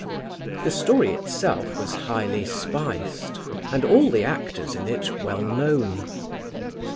The story itself was highly spiced and all the actors in it well known.